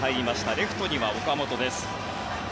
レフトには岡本です。